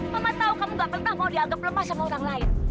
mama tahu kamu gak pernah mau dianggap lemah sama orang lain